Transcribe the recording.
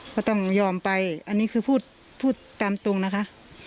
ก็ต้องยอมไปอันนี้คือพูดตามตรงนะคะ